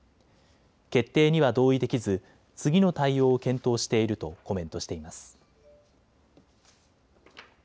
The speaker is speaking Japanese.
決定には同意できず次の対応を検討しているとコメントしています。